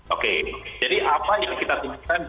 oke jadi apa yang kita tersedia di dua ribu dua puluh nanti